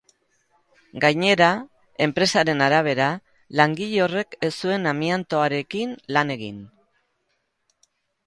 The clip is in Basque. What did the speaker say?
Gainera, enpresaren arabera, langile horrek ez zuen amiantoarekin lan egin.